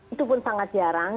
itu pun sangat jarang